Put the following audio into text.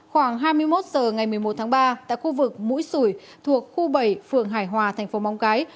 khoảng hai mươi một h ngày một mươi một tháng ba tại khu vực mũi sủi thuộc khu bảy phường hải hòa thành phố móng cái